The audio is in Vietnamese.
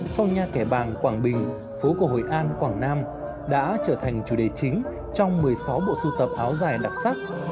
trong nhà kẻ bàng quảng bình phố cổ hồi an quảng nam đã trở thành chủ đề chính trong một mươi sáu bộ sưu tập áo dài đặc sắc